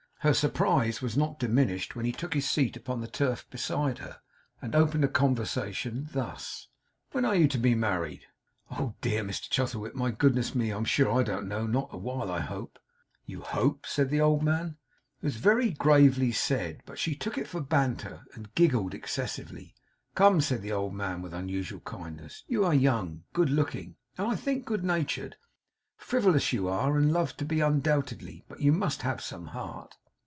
Her surprise was not diminished when he took his seat upon the turf beside her, and opened a conversation thus: 'When are you to be married?' 'Oh! dear Mr Chuzzlewit, my goodness me! I'm sure I don't know. Not yet awhile, I hope.' 'You hope?' said the old man. It was very gravely said, but she took it for banter, and giggled excessively. 'Come!' said the old man, with unusual kindness, 'you are young, good looking, and I think good natured! Frivolous you are, and love to be, undoubtedly; but you must have some heart.